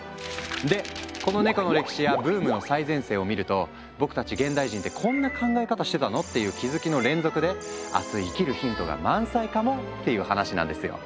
でこのネコの歴史やブームの最前線を見ると僕たち現代人って「こんな考え方してたの？」っていう気づきの連続で明日生きるヒントが満載かもっていう話なんですよ。